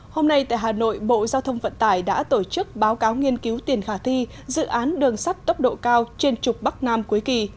hôm nay tại hà nội bộ giao thông vận tải đã tổ chức báo cáo nghiên cứu tiền khả thi dự án đường sắt tốc độ cao trên trục bắc nam cuối kỳ